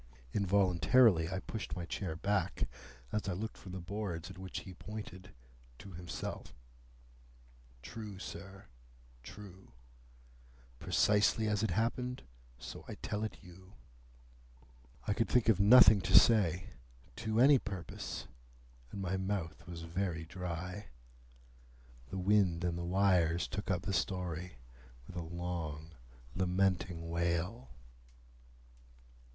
Involuntarily I pushed my chair back, as I looked from the boards at which he pointed to himself. "True, sir. True. Precisely as it happened, so I tell it you." I could think of nothing to say, to any purpose, and my mouth was very dry. The wind and the wires took up the story with a long lamenting wail.